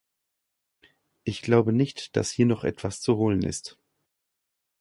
Ich glaube nicht, dass hier noch etwas zu holen ist.